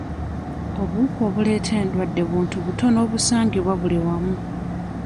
Obuwuka obuleeta endwadde buntu butono obusangibwa buli wamu.